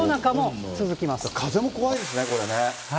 風も怖いですね、これね。